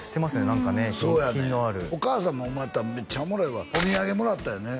何かね品のあるお母さんもまためっちゃおもろいわお土産もらったんよね